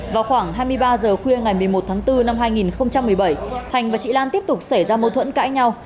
vào khoảng hai mươi ba h khuya ngày một mươi một tháng bốn năm hai nghìn một mươi bảy thành và chị lan tiếp tục xảy ra mâu thuẫn cãi nhau